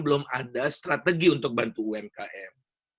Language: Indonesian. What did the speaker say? belum ada strategi untuk bantu umkm